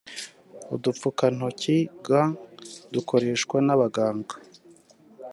udupfukantoki (gants) dukoreshwa n’abaganga